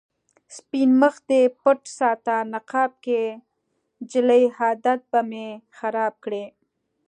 سپين مخ دې پټ ساته نقاب کې، جلۍ عادت به مې خراب کړې